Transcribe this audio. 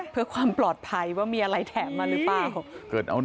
เพื่อความปลอดภัยว่ามีอะไรแถมมาหรือเปล่า